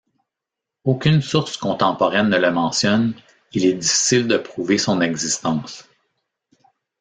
Aucune source contemporaine ne le mentionne, il est difficile de prouver son existence.